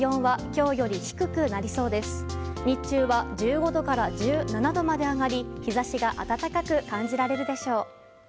日中は１５度から１７度まで上がり日差しが暖かく感じられるでしょう。